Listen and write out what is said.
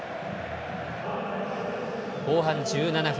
後半１７分。